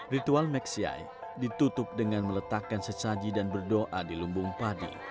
ritual meksiai ditutup dengan meletakkan sesaji dan berdoa di lumbung padi